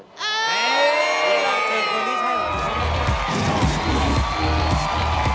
เวลาเจอคนที่ใช่ผมไม่ค่อยกล้าพูด